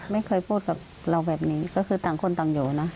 ไม่เคยพูดกับเราแบบนี้ก็คือต่างคนต่างอยู่นะ